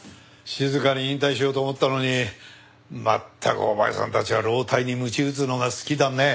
静かに引退しようと思ったのにまったくお前さんたちは老体にむち打つのが好きだね。